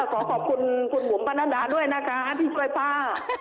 ขอขอบคุณคุณบุ๋มปนัดดาด้วยนะคะที่ช่วยป้า